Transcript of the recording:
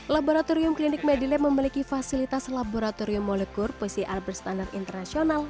laboratorium klinik medilab memiliki fasilitas laboratorium molekur pcr berstandar internasional